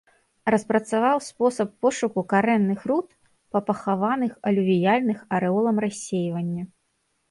Распрацаваў спосаб пошуку карэнных руд па пахаваных алювіяльных арэолам рассейвання.